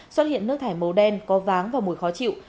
xuất hiện nước thải màu đen có váng và mùi khó chịu